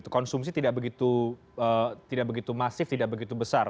konsumsi tidak begitu masif tidak begitu besar